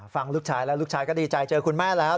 ฟังลูกชายแล้วลูกชายก็ดีใจเจอคุณแม่แล้ว